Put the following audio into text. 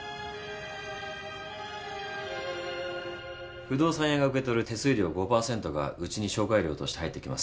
不動産屋が受け取る手数料５％がうちに紹介料として入ってきます。